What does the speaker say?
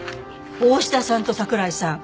大志田さんと桜井さん